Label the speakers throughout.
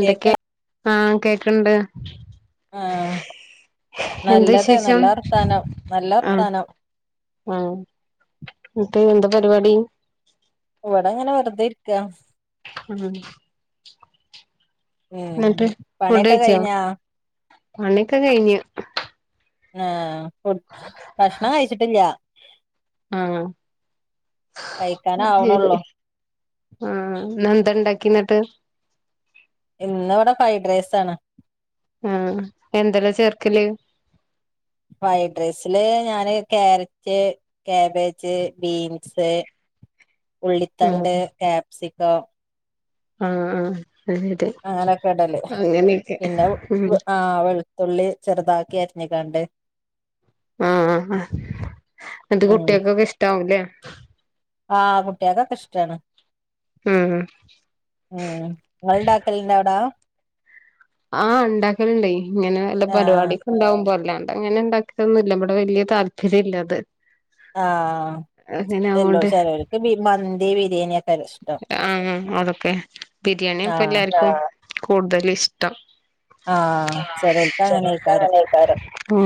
Speaker 1: കേക്ക
Speaker 2: ആഹ് കേക്ക്ണ്ട്.
Speaker 1: ആഹ് നല്ലത്
Speaker 2: വിശേഷം
Speaker 1: നല്ലവർത്താനം. നല്ല വർത്താനം.
Speaker 2: ഏഹ് ഇന്ന്ട്ട് എന്താ പരിപാടി.
Speaker 1: ഇവടെ ഇങ്ങനെ വെറുതെ ഇര്ക്കാ.
Speaker 2: ഉം.
Speaker 1: ഉം
Speaker 2: ഇന്നട്ട്
Speaker 1: പണിയൊക്കെ
Speaker 2: ഫുഡയ്ച്ചോ.
Speaker 1: കഴിഞ്ഞാ
Speaker 2: പണ്യാെക്കെ കഴിഞ്ഞ്.
Speaker 1: ആഹ് ഫുഡ്‌ ഭക്ഷണം കഴിച്ചിട്ട്ല്ല.
Speaker 2: ആഹ്
Speaker 1: കഴിക്കാൻ
Speaker 2: അയ്ശെരി.
Speaker 1: ആവണള്ളൂ
Speaker 2: ആഹ് ഇന്നെന്താ ഇണ്ടാക്കി ഇന്നട്ട്.
Speaker 1: ഇന്ന്വ്ടെ ഫ്രൈഡ് റൈസാണ്.
Speaker 2: ആഹ് എന്തെലാ ചേർക്കല്.
Speaker 1: ഫ്രൈഡ് റൈസില് ഞാന് ക്യാരറ്റ്, ക്യാബേജ്, ബീൻസ്.
Speaker 2: ആഹ്
Speaker 1: ഉള്ളിത്തണ്ട്, കാപ്സിക്കം.
Speaker 2: ആഹ് ആഹ് ശെരി.
Speaker 1: അങ്ങനൊക്കെ ഇടല്, പിന്നെ
Speaker 2: ഉം
Speaker 1: ആ വെൾ തുള്ളി ചെറുതാക്കി അരിഞ്കാണ്ട്.
Speaker 2: ആഹ് ആഹ് ആഹ് ന്ട്ട്
Speaker 1: ഉം
Speaker 2: കുട്ട്യാക്കൊക്കെ ഇഷ്ടാവുലേ.
Speaker 1: ആഹ് കുട്ട്യാക്കൊക്കെഷ്ടാണ്
Speaker 2: ഉം
Speaker 1: ഉം ങ്ങൾണ്ടാക്കലുണ്ടാവിടാ?
Speaker 2: ആഹ് ഉണ്ടാക്കല്ണ്ടായി ഇങ്ങനെ വല്ല
Speaker 1: ആഹ്
Speaker 2: പരിപാടി. ഉണ്ടാാവുമ്പോല്ലാണ്ട് അങ്ങനെ ഉണ്ടാക്കലൊന്നുല്ല ഇ ഇവിടെ വലിയ താല്പര്യം ഇല്ല അത്.
Speaker 1: ആഹ്
Speaker 2: അങ്ങനെ
Speaker 1: എല്ലോ
Speaker 2: ആവോണ്ട്
Speaker 1: ചെലോൽക്ക് മന്തി ബിരിയാണിക്കെ
Speaker 2: ആഹ് അതൊക്കെ ബിരിയാണി ഇപ്പൊ
Speaker 1: ആഹ്
Speaker 2: എലാർക്കും കൂടുതൽ ഇഷ്ടം.
Speaker 1: ആഹ്
Speaker 2: ആഹ്
Speaker 1: ചെലോൽക്ക് അങ്ങനെയ്ക്കാരം
Speaker 2: ചെലോല്ക്കങ്ങനേക്കാരും. ഉ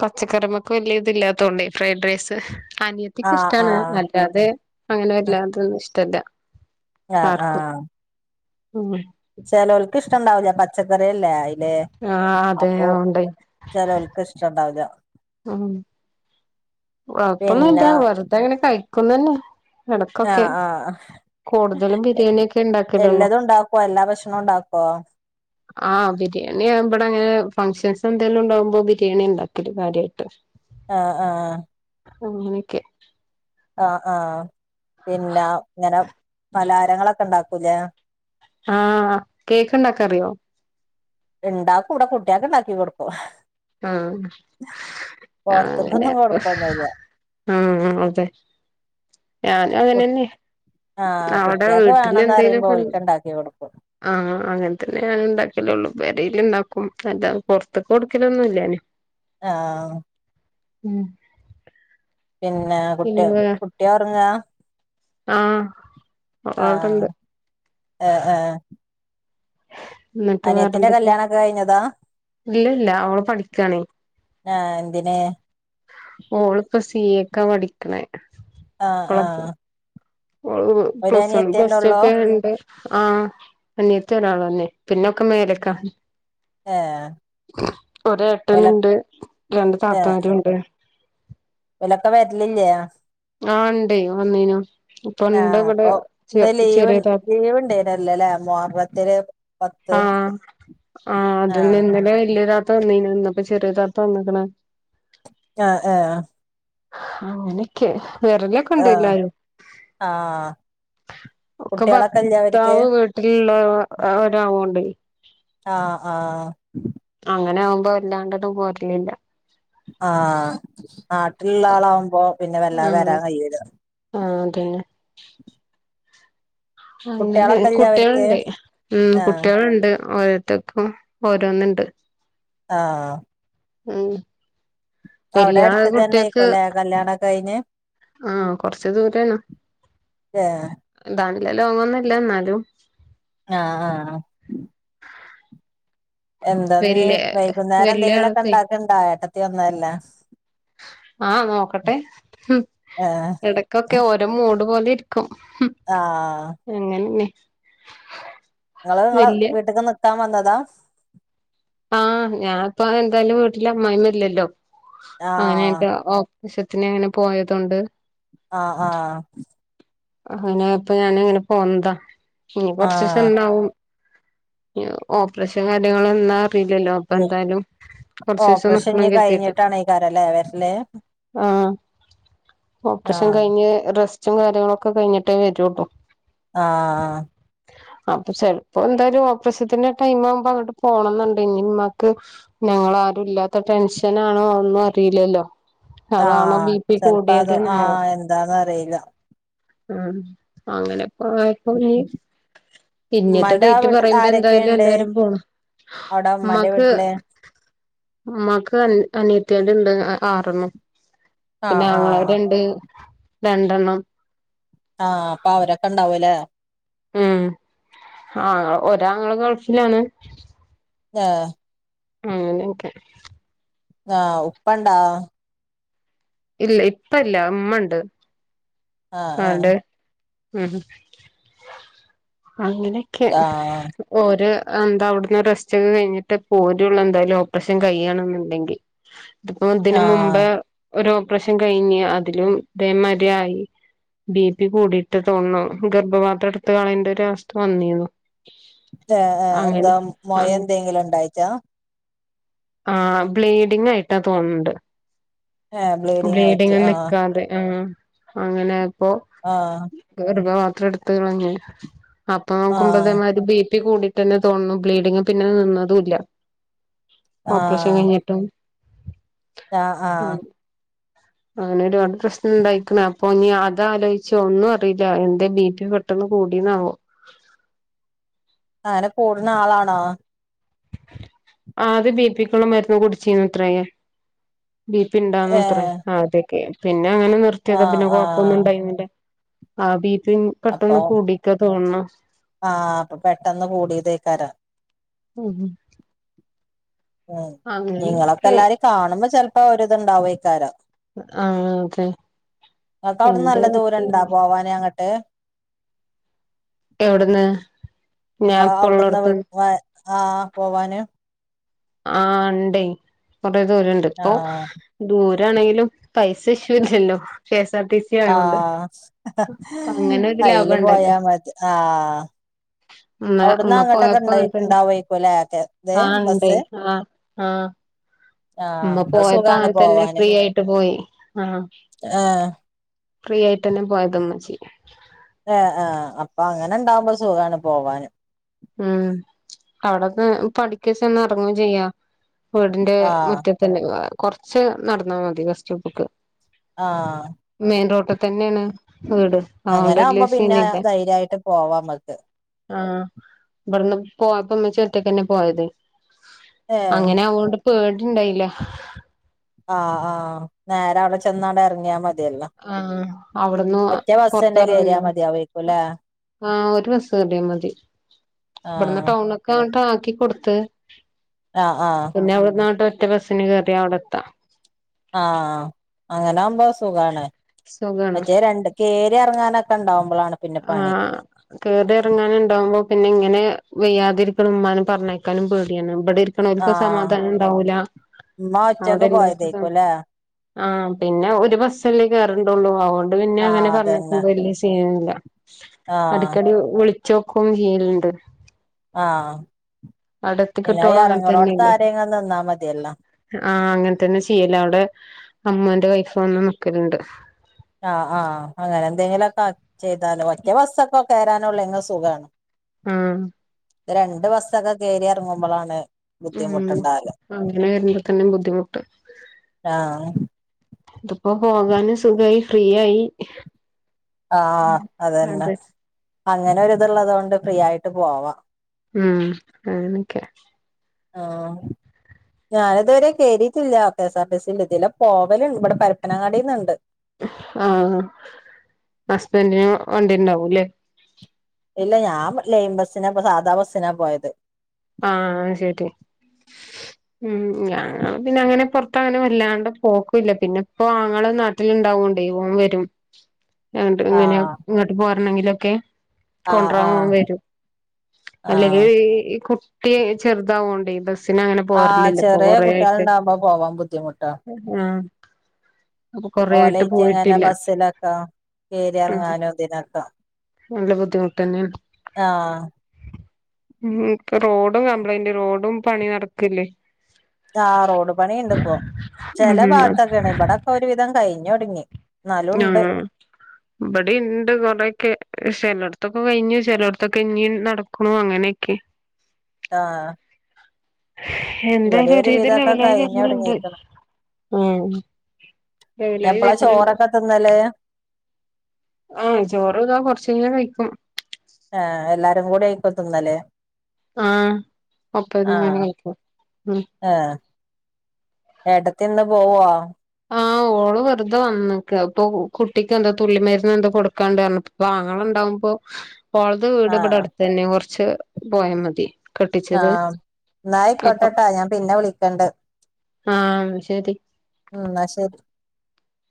Speaker 2: പച്ചക്കറിമക്ക് വലിയ ഇത്ല്ലാത്തോണ്ടെയ് ഫ്രൈഡ് റൈസ് ആ ക്ക്
Speaker 1: ആഹ്
Speaker 2: ഇഷ്ടമാണ്
Speaker 1: ആഹ്
Speaker 2: അല്ലാതെ അങ്ങനെ വല്ലാതൊന്നും ഇഷ്ടല്ല
Speaker 1: ആഹ്
Speaker 2: ആർക്കും. ഉം
Speaker 1: ചിലോൽക്ക് ഇഷ്ടണ്ടാവൂല്ല പച്ചക്കറി അല്ലേ?
Speaker 2: ആഹ് അതെ അതോണ്ട്യ്
Speaker 1: ചെലോൽക്ക് ഇഷ്ടണ്ടാവുല്ല.
Speaker 2: ആ
Speaker 1: പിന്നെ
Speaker 2: കൊഴപ്പൊന്നുല്ലാ വെറുതെ ഇങ്ങനെ കഴിക്കുന്നെന്നെ.
Speaker 1: ആഹ ആഹ
Speaker 2: ബിരിയാണിയൊക്കെ ഉണ്ടാക്കലുള്ളൂ
Speaker 1: എല്ലതും ണ്ടാക്കോ എല്ലാ ഭക്ഷണവും ഇണ്ടാക്കോ?
Speaker 2: [inaudible] ആഹ് ബിരിയാണി ഇവിടെ അങ്ങനെ ഫംഗഷൻസ് എന്തെങ്കിലും ഉണ്ടാകുമ്പോ ബിരിയാണിയാ ഇണ്ടാക്കല് കാര്യായിട്ട്.
Speaker 1: ആഹ് ആഹ്
Speaker 2: അങ്ങനൊക്കെ.
Speaker 1: ആ ആഹ് പിന്നെ ഇങ്ങനെ പലാരങ്ങളൊക്കെ ഉണ്ടാക്കൂലേ?
Speaker 2: ആഹ് കേക്ക്ണ്ടാക്കാനറിയോ?
Speaker 1: ഇണ്ടാക്കും ഇവിടെ കുട്ടിയാക്ക് ഇണ്ടാക്കി കൊടുക്കും.
Speaker 2: ഉം അങ്ങനെ.
Speaker 1: പൊർത്ത്ക്കൊന്നും കൊടുക്കൊന്നുല്ല
Speaker 2: ഉം അതെ ഞാനും അങ്ങനെ ന്നെ.
Speaker 1: ആഹ് കുട്ടിയാക്ക് വേണന്ന് പ റയുമ്പോ ഓൽക്ക് ഇണ്ടാക്കി കൊടുക്കും.
Speaker 2: ആഹ് അങ്ങനെ തന്നെ ഞാനും ഇണ്ടാക്കലൊള്ളൂ പെരിൽ ഇണ്ടാക്കും അല്ലാതെ പൊറത്ത്ക് കൊടു [unintelligible]
Speaker 1: ആഹ് ആഹ്
Speaker 2: [inaudible]
Speaker 1: പിന്നെ കുട്ടി
Speaker 2: പിന്നെ വേ
Speaker 1: കുട്ടി ഒറങ്ങാ?
Speaker 2: ആഹ്
Speaker 1: ആഹ്
Speaker 2: അവടെണ്ട്
Speaker 1: ആഹ് ഏ ഏ.
Speaker 2: ന്നിട്ട് വേറെന്തൊക്കെ?
Speaker 1: കല്യാണൊക്കെ കഴിഞ്ഞതാ
Speaker 2: ഇല്ല ഇല്ല ഓള് പഠിക്കാണേ.
Speaker 1: ആ എന്തിന്?
Speaker 2: ഓളിപ്പ സീയേക്കാ പഠിക്ക്ണേ
Speaker 1: ആഹ്
Speaker 2: കുളത്തി.
Speaker 1: ആഹ്
Speaker 2: ഓള് പ്ലസ് വൺ
Speaker 1: ഒരനിയത്തിയന്നെ
Speaker 2: പ്ലസ് റ്റു
Speaker 1: ഒള്ളോ
Speaker 2: ഒക്കെ ഉണ്ട്. ആഹ് അനിയത്തി ഒരാളെന്നെ പിന്നൊക്കെ മേലക്കാ.
Speaker 1: ഏഹ്
Speaker 2: ഒരു
Speaker 1: ഓല
Speaker 2: എട്ടനുണ്ട് രണ്ട്
Speaker 1: ഏഹ്
Speaker 2: താത്താരുണ്ട്.
Speaker 1: ഓലൊക്കെ വരലില്ലേ?
Speaker 2: ആഹ് ഇണ്ടയ് വന്നിനു ഇപ്പൊ ഇണ്ട്
Speaker 1: ആഹ്
Speaker 2: ഇവിടെ
Speaker 1: അപ്പൊ
Speaker 2: ചെ ചെറിയ താത്ത
Speaker 1: ല്ലല്ലേ മൊഹറത്തില്
Speaker 2: ആഹ് ആഹ് അതന്നെ ഇന്നലെ വലിയ താത്ത വന്നിനു ഇന്നിപ്പോ ചെറിയ താത്ത വന്ന്ക്ക്ണ്
Speaker 1: ഏ ഏഹ്
Speaker 2: അങ്ങനൊക്കെ വറ ലൊ ക്കെ ഇണ്ട്
Speaker 1: ആഹ്
Speaker 2: എല്ലാരും
Speaker 1: ആഹ്
Speaker 2: ഒക്കെ
Speaker 1: കുട്ടികളൊക്കെ ഇല്ലേ അവര്ക്ക്
Speaker 2: ഭർത്താവ് വി ട്ടിലില്ലവരായോ ണ്ടെയ്
Speaker 1: ആഹ് ആഹ്
Speaker 2: അങ്ങനെ ആവുമ്പോ വല്ലാണ്ടണ്ട് പോരലില്ല.
Speaker 1: ആഹ് നാട്ടിലുള്ള ആളാവുമ്പോ പിന്നെ വല്ലാതെ
Speaker 2: ആഹ്
Speaker 1: വരാൻ കയുല്ല.
Speaker 2: ആഹ് അതെ അങ്ങനെ
Speaker 1: കുട്ടികളൊക്കെ ഇല്ലേ അവര്ക്ക്
Speaker 2: കുട്ട്യള്ണ്ട് ഉം
Speaker 1: ആഹ്
Speaker 2: കുട്ട്യാലുണ്ട് ഓലട്ത്ത് ഓരോന്ന്ണ്ട്
Speaker 1: ആഹ്
Speaker 2: ഉം
Speaker 1: അവിടെ
Speaker 2: വല്യ
Speaker 1: അടുത്ത്
Speaker 2: കുട്ടിയക്ക്
Speaker 1: ക്കന്നെയ്ക്കുംലെ കല്യാണം കഴിഞ്ഞെ
Speaker 2: ആഹ് കൊറച്ച് ദൂരേണ്
Speaker 1: എഹ്
Speaker 2: നല്ല ലോങ്ങൊന്നും ല്ല ന്നാലും
Speaker 1: ആഹ് ആഹ് എന്താ
Speaker 2: വല്യ
Speaker 1: ഞ്ഞിവൈകുന്നേരം
Speaker 2: വല്യ
Speaker 1: എന്തെങ്കിലും ഒക്കെ
Speaker 2: ആളൊക്കെ
Speaker 1: ഇണ്ടാക്കണ്ടോ ഏട്ടത്തി വന്നല്ലേ
Speaker 2: ആഹ് നോക്കട്ടെ
Speaker 1: ഏഹ്
Speaker 2: എട് ട ക്കൊക്കെ ഓരോ മൂഡ് പോലെ ഇരിക്കും
Speaker 1: ആഹ്
Speaker 2: അങ്ങനെന്നെ
Speaker 1: ഇങ്ങള് ഇങ്ങളെ
Speaker 2: വല്യ
Speaker 1: വീട്ട്ക്ക് നിക്കാൻ വന്നതാ
Speaker 2: ആഹ് ഞാനിപ്പ എന്തായാലും വീട്ടിൽ അമ്മായിമ്മ ഇല്ലല്ലോ
Speaker 1: ആഹ്
Speaker 2: അങ്ങനൊക്കെ ഒ ആവശ്യ ത്തിന് അങ്ങനെ പോയതോണ്ട്
Speaker 1: അഹ് ആഹ്
Speaker 2: അങ്ങനായപ്പ ഞാന് അങ്ങനെ പോന്നതാ ഇനി
Speaker 1: ആഹ്
Speaker 2: കൊറച്ചീസംണ്ടാവും ഇഞ് ഓപ്പറെഷംകാര്യങ്ങള് എന്ന അറില്ലല്ലോ അപ്പൊ എന്തായാലും കൊറച്ചീസം
Speaker 1: ഓപ്പറേഷൻ ഇഞ്ഞ്
Speaker 2: നിക്കണം കരുതീട്ട
Speaker 1: കഴിഞ്ഞിട്ടാണേക്കാരല്ലേ വരല്
Speaker 2: ആഹ് ഓപ്പറെഷ്
Speaker 1: ആഹ്
Speaker 2: കഴിഞ്ഞ് റെസ്റ്റും കാര്യങ്ങളൊക്കെ കഴിഞ്ഞിട്ടേ വരൊള്ളൂ
Speaker 1: അഹ്
Speaker 2: അപ്പൊ ചെലപ്പോ എന്തായാലും ഓപ്പ്രസത്തിന്റെ ടൈം ആവുമ്പോ അങ്ങോട്ട് പോണംന്നുണ്ട് ഇഞ് ഇമാക്ക് ഞങ്ങള് ആരുും ഇല്ലാത്ത ടെൻഷനാണോ ഒന്നും അറില്ലല്ലോ അതാണോ ബി പി കൂടിയത് ആവൊ
Speaker 1: ന്താന്ന് അറീല്ല
Speaker 2: ഉം അങ്ങനെപ്പോയപ്പ ഇഞ് ഇഞ്ഞത്തെ
Speaker 1: ഉമ്മാന്റെ ആ
Speaker 2: ഡേറ്റ്
Speaker 1: വീട്ടിൽ
Speaker 2: പറയുമ്പോ എന്തായാലും
Speaker 1: ആരൊക്കെയുണ്ട്
Speaker 2: എല്ലാരും പോണം
Speaker 1: അവിടെ ഉമ്മാന്റെ
Speaker 2: ഉമ്മാക്ക്
Speaker 1: വീട്ടില്
Speaker 2: ഉമ്മാക്ക് അനിയത്തിള്ണ്ട് ആറെണ്ണം പിന്നെ
Speaker 1: ആഹ് ആഹ്
Speaker 2: ആങ്ങളാണ്ട് രണ്ടെണ്ണം
Speaker 1: ആഹ് അപ്പ അവരൊക്കെ ഇണ്ടാവും ല്ലേ
Speaker 2: ഉം അഹ് ഒരാങ്ങള ഗൾഫിലാണ്
Speaker 1: താഹ്
Speaker 2: അങനെക്കെ
Speaker 1: ആഹ് ഉപ്പണ്ടാ
Speaker 2: ഇല്ല ഇപ്പ ല്ല മ്മണ്ട്
Speaker 1: ആഹ് ആഹ്
Speaker 2: ആടെ ഉം അങ്ങനൊക്കെ
Speaker 1: ആഹ്
Speaker 2: ഓര് എന്താ അവിട്ന്ന് റസ്റ്റ് ഒക്കെ കഴിഞ്ഞിട്ട് പോരള്ളു എന്തായാലും ഓപ്പറേഷൻ കഴിയാണ് ന്ന്ണ്ടെങ്കിൽ ത്പ്പോതിന് മുമ്പ്
Speaker 1: ആഹ്
Speaker 2: ഒരോപ്പറേഷൻ കഴിഞ്ഞ് അതിലും ഇതേമാതീരിയായി ബി പി കൂടിട്ട് തോന്നുന്നു ഗർഭപാത്രം എടുത്ത് കളയാണ്ട ഒരവസ്ഥ വന്നിനു
Speaker 1: ദേഎന്താ മൊയ ത്നേങ്കിലും ണ്ടായിട്ടാ
Speaker 2: ആഹ് ബ്ലീഡിങ്ങായിട്ടാ തോന്ന്ണ്ട്
Speaker 1: ഏഹ് ആയിറ്റ്
Speaker 2: ബ്ലീഡിങ്
Speaker 1: ആഹ്
Speaker 2: നിക്കാതെ ആഹ് അങ്ങനായപ്പൊ
Speaker 1: ആഹ്
Speaker 2: ഗർഭ പാത്രം ട്ത്ത് കളഞ്ഞ്. അപ്പൊ നോക്കുമ്പതേ
Speaker 1: ആഹ്
Speaker 2: മാതിരി ബി പി കൂടി ട്ടന്നെ തോന്നുന്നു ബ്ലീഡിങ് പിന്നെ നിന്നതുംല്ല ഓപ്പറേഷൻ
Speaker 1: ആഹ്
Speaker 2: കഴിഞ്ഞിട്ടും
Speaker 1: ആഹ് ആഹ്
Speaker 2: അങ്ങനെ ഒരുപാട് പ്രശ്നം ഉണ്ടായിരിക്ക്ണ് അപ്പൊ നീ അതാലോയ്ച്ചോ ഒന്നും അറീല്ല എന്തേബീ പി കൂ ട്ടെന്ന് കൂട്ടിന്നാവോ.
Speaker 1: അങ്ങനെ കൂട്ണാളാണോ?
Speaker 2: ആദ്യം ബി പിക്കുള്ള മരുന്ന് കുടിച്ച്ര്ന്നത്രേ. ബീ പി ഇണ്ടാന്ന്ത്രേ
Speaker 1: ഏഹ്
Speaker 2: ആദ്യൊക്കെ പിന്നങ്ങനെ നിർത്തിയതാ
Speaker 1: ആഹ്
Speaker 2: പിന്നെ കൊഴപ്പൊന്നും
Speaker 1: ആഹ്
Speaker 2: ഇണ്ടായിന്നില്ല. ആ ബീപിം
Speaker 1: അപ്പൊ
Speaker 2: പെട്ടെന്ന് കൂടിക്കാ തോന്ന്ണ്.
Speaker 1: ആഹ് അപ്പൊ പെട്ടെന്ന് കൂടീതേക്കാരം.
Speaker 2: ഉം ഹ്.
Speaker 1: ഉം നിങ്ങളൊക്കെ
Speaker 2: അങ്ങനെയൊക്കെ
Speaker 1: എല്ലാരും കാണുമ്പോ ചെൽലപ്പൊ ഒര്തുണ്ടാവേക്കാരം.
Speaker 2: ആഹ് അതെ
Speaker 1: ഇങ്ങക്കവിട്ന്ന്
Speaker 2: എന്താ
Speaker 1: നല്ല ദൂരം ഇണ്ടാ
Speaker 2: പറ്റിയെന്നാവോ
Speaker 1: പോവാന് അങ്ങ. ട്ട്,
Speaker 2: എവിടുന്ന് ഞാൻ
Speaker 1: ങ്ങള
Speaker 2: ഇപ്പ
Speaker 1: അവ്ട്ന്ന് വീ
Speaker 2: ഉള്ളോടത്ത്ന്ന്
Speaker 1: വ. ആഹ് പോവാന്.
Speaker 2: ആഹ് ണ്ടേയ് കൊറേ ദൂരണ്ട് പ്പൊ.
Speaker 1: ആഹ്
Speaker 2: ദൂരാണെങ്കിലും പൈസ ഇഷ്യൂ ഇല്ലല്ലോ K S R T C. ആയോണ്ട്
Speaker 1: ആഹ്
Speaker 2: അപ്പൊ അങ്ങനെ ഒരു ലാഭം
Speaker 1: അയ്ല്
Speaker 2: ഉണ്ടല്ലോ
Speaker 1: പോയാ മതി ആഹ്.
Speaker 2: ഉമ്മ
Speaker 1: അവിടുന്ന്
Speaker 2: ഉമ്മ
Speaker 1: അങ്ങോട്ടൊക്കെ
Speaker 2: പോയപ്പൊ
Speaker 1: ഇണ്ട
Speaker 2: അങ്ങൻത്തന്നെ
Speaker 1: ഉണ്ടാവേക്കുംല്ലേ ഒക്കെ ഇത്
Speaker 2: ആ ഇണ്ട്
Speaker 1: ബസ്സ്
Speaker 2: ആ ആഹ്.
Speaker 1: ആഹ്
Speaker 2: മ്മ
Speaker 1: അപ്പൊ
Speaker 2: പോയപ്പോ
Speaker 1: സുഖാണ്
Speaker 2: അങ്ങൻതന്നെ
Speaker 1: പോവാന്
Speaker 2: ഫ്രീയായിട്ട് പോയി ആഹ്.
Speaker 1: ആഹ്
Speaker 2: ഫ്രീയായിട്ടന്നെ പോയത് ഇമ്മച്ചി.
Speaker 1: ഏ ആഹ് അപ്പൊ അങ്ങനെ ഇണ്ടാവുമ്പോ സുഖാണ് പോവാൻ.
Speaker 2: ഉം അവിട്ന്ന് പഠിക്ക ചെന്ന് എറങ്ങും ചെയ്യാ വീടിന്റെ
Speaker 1: ആഹ്
Speaker 2: മുറ്റത്ത്. തന്നെ ഹ് കൊർച്ച് നട്ന്നാ മതി ബസ്റ്റോപ്പ്ക്ക്.
Speaker 1: ആഹ്.
Speaker 2: മെയിൻ റോട്ട് തന്നേണ് വീട്. അതുകൊണ്ട് വലിയ
Speaker 1: അങ്ങനാവുമ്പ പിന്നെ
Speaker 2: സീനില്ല
Speaker 1: ധൈര്യായിട്ട് പോവാ അമ്മക്ക്.
Speaker 2: ആഹ് ഇവട്ന്ന് പോയപ്പോ ഇമ്മച്ചി ഒറ്റക്കെന്നെ പോയത്
Speaker 1: ഏഹ്
Speaker 2: അങ്ങനെ ആവൊണ്ട്. പേടിണ്ടായില്ല.
Speaker 1: ആഹ് ആഹ് നേര അവ്ടെ ചെന്നാണ്ട് എർങ്ങിയാ മതിയല്ലോ.
Speaker 2: ആഹ് അവ്ട്ന്നു
Speaker 1: ഒറ്റ ബസ് തന്നെ കേറിയാ
Speaker 2: പൊർത്തെർങ്ങിനു അ.
Speaker 1: മതിയാവേക്കുംല്ലേ
Speaker 2: ആഹ് ഒരു ബസ്സ് കേറിയാ മതി ഇവിട്ന്ന്
Speaker 1: ആഹ്
Speaker 2: ടൗൺ. ക്കാണ്ടാക്കി കൊട്ത്ത്.
Speaker 1: ആഹ് ആഹ്
Speaker 2: പിന്നെ അവിട്ന്നാണ്ട് ഒറ്റ ബസ്സിന് കേറിയാ അവിടെ എത്താം.
Speaker 1: ആഹ് അങ്ങനാവുമ്പോ സുഖാണ്
Speaker 2: സുഖാണ്
Speaker 1: മറ്റേ രണ്ട് കേറി എർങ്ങാനൊക്കെ ഇണ്ടാവുമ്പളാണ് പിന്നെ പണി
Speaker 2: ആഹ് കേറി എറങ്ങാനുണ്ടാവുമ്പോ പിന്നെ ഇങ്ങനെ വെയ്യാതിരിക്ക്ണ ഉമ്മാനെ പറഞ്ഞയക്കാനും പേടിയാണ് ഇബടിര് ക്കണോൽക്ക്
Speaker 1: ആഹ്
Speaker 2: സമാധാനം ണ്ടാവൂല
Speaker 1: ഉമ്മ ഒറ്റക്ക് പോയതേക്കുവല്ലേ
Speaker 2: ആഹ് പിന്നെ ഒരു ബസ്സല്ലേ കേറണ്ടുള്ളൂ അത്കൊണ്ട് പിന്നെ അങ്ങനെ
Speaker 1: ആഹ് അതന്നെ
Speaker 2: പർഞ്ഞേക്കുമ്പം വലിയ സീനില്ല.
Speaker 1: ആഹ്
Speaker 2: അടിക്കടി വിളിച്ചോക്കും ചെയ്യൽണ്ട്
Speaker 1: ആഹ്
Speaker 2: അവിടെ
Speaker 1: പിന്നെ
Speaker 2: എത്തിക്കിട്ടോളം അങ്ങനെ
Speaker 1: എർങ്ങ്ണോട്ത്ത്
Speaker 2: തന്നെയല്ലേ
Speaker 1: ആരെങ്കിലും നിന്നാ മതിയല്ലോ.
Speaker 2: ആഹ് അങ്ങൻത്തന്നെ ചെയ്യൽ അവിടെ അമ്മോന്റെ വൈഫ് വന്ന് നിക്കൽണ്ട്.
Speaker 1: ആഹ് ആഹ് അങ്ങനെന്തെങ്കിലൊക്കെ ചെയ്താൽ ഒറ്റ ബസ്സൊക്കെ കേറാനുള്ളുങ്കി സുഖാണ്.
Speaker 2: ഉം
Speaker 1: ഇത് രണ്ട് ബസ്സൊക്കെ കേറി എർങ്ങുമ്പളാണ്
Speaker 2: ഉം അങ്ങനെ വരുമ്പത്തന്നെ ബുദ്ധിമുട്ട്.
Speaker 1: ആഹ്
Speaker 2: ഇത്പ്പോ പോകാന് സുഖായി ഫ്രീ ആയി.
Speaker 1: ആഹ് അതന്നെ
Speaker 2: അതെ
Speaker 1: അങ്ങനൊരിതൊള്ളത് കൊണ്ട് ഫ്രീ ആയിട്ട് പോവാം.
Speaker 2: ഉം അങ്ങനൊക്കെയാ
Speaker 1: ആഹ് ഞാനിതുവരെ കേറിട്ടില്ല കെ എസ് ആർ ടി സിന്റെ ഇതിലെ പോവൽണ്ട് ഇവിടെ പരപ്പനങ്ങാടിന്ന്ണ്ട്.
Speaker 2: ആഹ് ഹസ്ബന്റിന് വണ്ടിണ്ടാവുംല്ലേ
Speaker 1: ഇല്ല ഞാൻ ലെയിം ബസിനാ ഇപ്പൊ സാധാ ബസ്സിനാ പോയത്
Speaker 2: ആഹ് അത് ശരി ഉം ഞാൻ പിന്നെ അങ്ങനെ പൊറത്ത് അങ്ങനെ വല്ലാണ്ട് പോക്കൂല്ല പിന്നെ ഇപ്പോ ആങ്ങള നാട് ട്ടിലുണ്ടായോണ്ടേ ഓൻ വരും എങ്ങനെ
Speaker 1: ആഹ്
Speaker 2: ഇങ്ങോട്ട് പോരണെങ്കിലൊക്കെ
Speaker 1: ആഹ്
Speaker 2: കോണ്ട്രൻ
Speaker 1: ആഹ്
Speaker 2: വരും
Speaker 1: ആഹ്
Speaker 2: അല്ലെങ്കിൽ ഈ കുട്ടി ചെറുതാവോണ്ട് ഈ ബസ് സ്സിനങ്ങനെ
Speaker 1: ആഹ്
Speaker 2: പോറില്ലില്ല ഇപ്പൊ
Speaker 1: ചെറിയ
Speaker 2: കൊറേയായിട്ട്
Speaker 1: കുട്ടികളുണ്ടാവുമ്പോ പോവാൻ ബുദ്ധിമുട്ടാ
Speaker 2: ആഹ് അപ്പൊ കൊറേ ആയിട്ട്
Speaker 1: ഓലേറ്റങ്ങനെ
Speaker 2: പോയിട്ടില്ല
Speaker 1: ബസ്സിലൊക്ക
Speaker 2: ആഹ്
Speaker 1: കേരിറങ്ങാനും ഇതിനൊക്ക
Speaker 2: നല്ല ബുദ്ധിമുട്ട് തന്നെയാണ്
Speaker 1: ആഹ്
Speaker 2: ഉം ഇപ്പൊ റോഡും കംപ്ലൈന്റ് റോഡും പണി നടക്കല്ലേ
Speaker 1: ആഹ് റോഡ് പണിയുണ്ട്പ്പോ ചെല
Speaker 2: ഉം
Speaker 1: ഭാഗത്തൊക്കെയാണ് ഇവിടെക്ക ഒരുവിധം കയിഞ്ഞൊടുങ്ങി
Speaker 2: ആഹ് ഇബടെണ്ട് കൊറെക്കെ ചിലയിടത്തൊക്കെ കയിഞ്ഞു ചിലയിടത്തൊക്കെ ഇഞ് നടക്കണു അങ്ങനെക്കെ
Speaker 1: ആഹ് ഇവിടെ
Speaker 2: എന്തായാലും
Speaker 1: ഒരു
Speaker 2: ഒരുതി
Speaker 1: വിധൊക്കെ
Speaker 2: ലെവലായി വരണുണ്ട്
Speaker 1: കഴിഞ്ഞൊടുങ്ങിക്ക്ണ്
Speaker 2: ഉം ലവലായി വര്
Speaker 1: ചോറൊക്കെതിന്നല്ലേ
Speaker 2: ആഹ് ചോറ് ഇതാ കൊറച്ചയിഞ്ഞാ കയിക്കും
Speaker 1: ആഹ് എല്ലാരും കൂടെആയിക്കും തിന്നല്ലേ
Speaker 2: ആഹ് ഒപ്പഇരുന്നങ്ങനെ കയിക്കും ഉം
Speaker 1: ആഹ് ഏട്ടത്തിന്ന് പോവോ
Speaker 2: ആഹ് ഓൾ ള് വെറുതെ വന്നക്ക് ഇപ്പൊ കുട്ടിക്ക് എന്തൊ തുള്ളി മരുന്ന് എന്താ കൊടുക്കാണ്ട് പറഞ്ഞു അപ്പൊ ആങ്ങള ഉണ്ടാകുമ്പോ ഓളത് വീട്
Speaker 1: ആഹ്
Speaker 2: ഇബടെടുത്തന്നെ കുറച്ച് പോയ മതി കെട്ടിച്ചത്
Speaker 1: ആഹ്
Speaker 2: അപ്പൊ
Speaker 1: ന്നായിക്കോട്ടേട്ടാ ഞാൻ പിന്നെ വിളിക്കണ്ട്
Speaker 2: ആഹ് ന്നാ ശരി
Speaker 1: ന്നാ ശരി